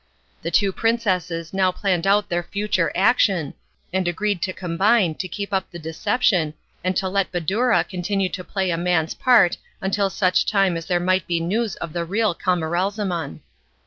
The two princesses now planned out their future action, and agreed to combine to keep up the deception and to let Badoura continue to play a man's part until such time as there might be news of the real Camaralzaman.